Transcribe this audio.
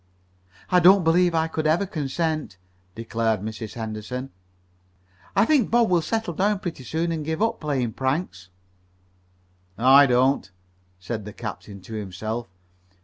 "I don't believe I could ever consent," declared Mrs. Henderson. "I think Bob will settle down pretty soon and give up playing pranks." "I don't," said the captain to himself.